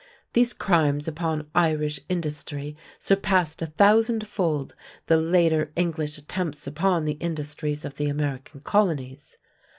These crimes upon Irish industry surpassed a thousand fold the later English attempts upon the industries of the American colonies.